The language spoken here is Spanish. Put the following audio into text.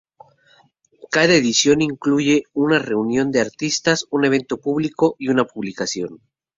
Cada edición incluye una reunión de artistas, un evento público y una publicación.